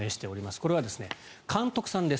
これは監督さんです。